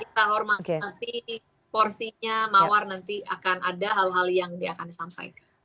kita hormati porsinya mawar nanti akan ada hal hal yang dia akan disampaikan